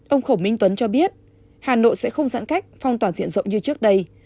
ông khổ minh tuấn cho biết hà nội sẽ không giãn cách phong toàn diện rộng như trước đây